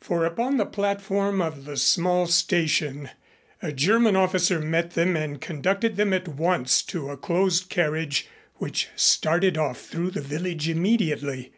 For upon the platform of the small station a German officer met them and conducted them at once to a closed carriage which started off through the village immediately.